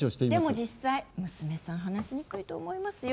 でも、実際娘さん話しにくいと思いますよ？